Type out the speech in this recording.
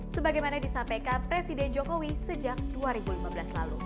sebagaimana disampaikan presiden jokowi sejak dua ribu lima belas lalu